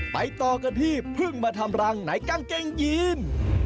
ต่อกันที่พึ่งมาทำรังไหนกางเกงยีน